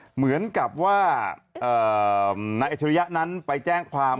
เหมือนกับว่านายอัจฉริยะนั้นไปแจ้งความ